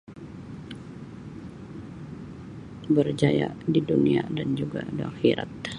Berjaya di dunia dan juga da akhirat.